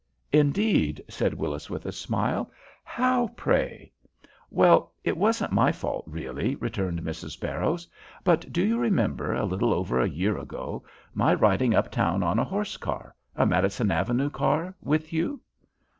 "Indeed!" said Willis, with a smile. "How, pray?" "Well, it wasn't my fault really," returned Mrs. Barrows; "but do you remember, a little over a year ago, my riding up town on a horse car a Madison Avenue car with you?"